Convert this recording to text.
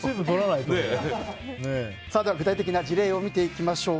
具体的な事例を見ていきましょう。